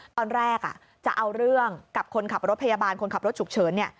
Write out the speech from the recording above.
ตอนแรกจะเอาเรื่องกับคนขับรถพยาบาลคนขับรถฉุกเฉิน